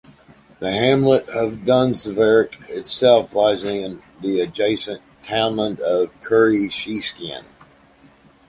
The hamlet of Dunseverick itself lies in the adjacent townland of Currysheskin.